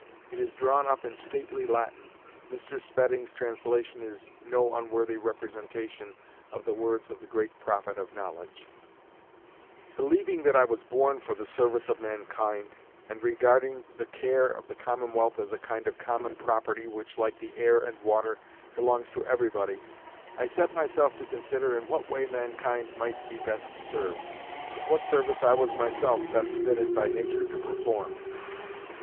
It is drawn up in "stately Latin." Mr. Spedding's translation is no unworthy representation of the words of the great Prophet of Knowledge: "Believing that I was born for the service of mankind, and regarding the care of the Commonwealth as a kind of common property which, like the air and water, belongs to everybody, I set myself to consider in what way mankind might be best served, and what service I was myself best fitted by nature to perform.